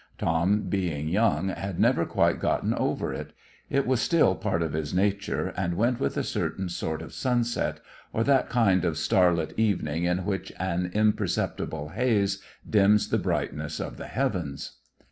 Tom, being young, had never quite gotten over it. It was still part of his nature, and went with a certain sort of sunset, or that kind of star lit evening in which an imperceptible haze dims the brightness of the heavens.